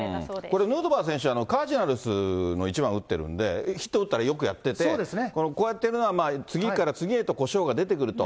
これ、ヌートバー選手、カージナルスの１番打ってるんで、ヒット打ったらよくやってて、こうやってるのは、次から次へとこしょうが出てくると。